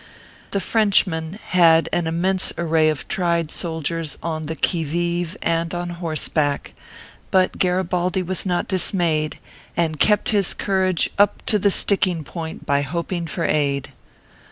The Frenchman had an immense array of tried soldiers on the qui vive and on horseback ; but Garibaldi was not dismayed, and kept his courage up to the " sticking" point by hoping for aid.